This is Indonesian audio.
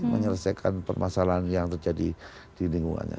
menyelesaikan permasalahan yang terjadi di lingkungannya